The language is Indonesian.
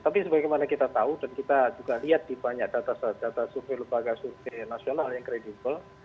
tapi sebagaimana kita tahu dan kita juga lihat di banyak data data survei lembaga survei nasional yang kredibel